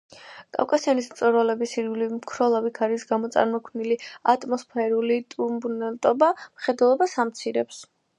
კავკასიონის მწვერვალების ირგვლივ მქროლავი ქარის გამო წარმოქმნილი ატმოსფერული ტურბულენტობა მხედველობას ამცირებს.